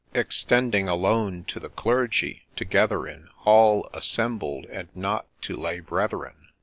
DUNSTAN Extending alone to the clergy, together in Hall assembled, — and not to Lay brethren.